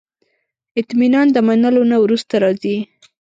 اطمینان د منلو نه وروسته راځي.